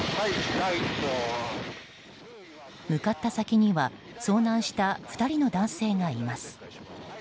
向かった先には遭難した２人の男性がいます。